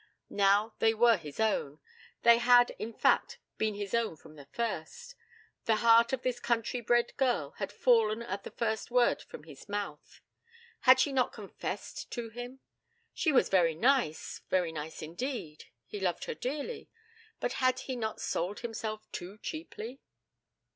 Now they were his own. They had, in fact, been his own from the first. The heart of this country bred girl had fallen at the first word from his mouth. Had she not so confessed to him? She was very nice, very nice indeed. He loved her dearly. But had he not sold himself too cheaply?